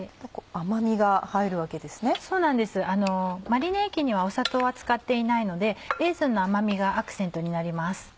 マリネ液には砂糖は使っていないのでレーズンの甘みがアクセントになります。